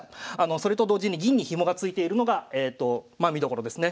それと同時に銀にヒモがついているのが見どころですね。